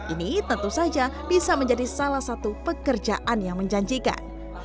ini tentu saja bisa menjadi salah satu pekerjaan yang menjanjikan